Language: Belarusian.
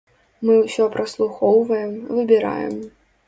Мы ўсё праслухоўваем, выбіраем.